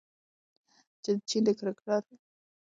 جین د کرکټرونو فکرونو او احساساتو ته ننوتله.